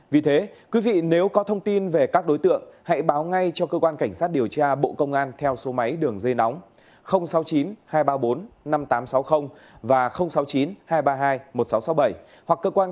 vì thế quý vị nếu có thông tin về các đối tượng hãy báo ngay cho cơ quan cảnh sát điều tra bộ công an theo số máy đường dây nóng sáu mươi chín hai trăm ba mươi bốn năm nghìn tám trăm sáu mươi và sáu mươi chín hai trăm ba mươi hai một nghìn sáu trăm sáu mươi bảy